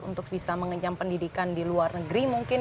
untuk bisa mengencam pendidikan di luar negeri mungkin